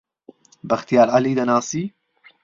بەختیار عەلی دەناسی؟